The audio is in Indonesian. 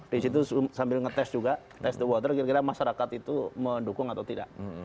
di situ sambil ngetes juga test the water kira kira masyarakat itu mendukung atau tidak